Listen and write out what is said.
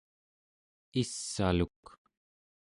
iss'aluk